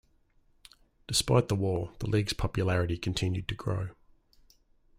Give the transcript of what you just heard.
Despite the war, the league's popularity continued to grow.